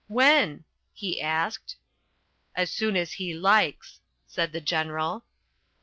"When?" he asked. "As soon as he likes," said the General.